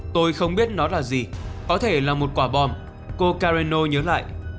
tôi không biết nó là gì có thể là một quả bom cô careno nhớ lại